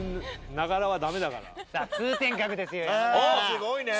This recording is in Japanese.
すごいねぇ。